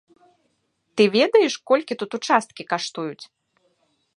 Ты ведаеш, колькі тут участкі каштуюць?